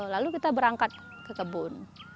lalu kita berangkat ke kebun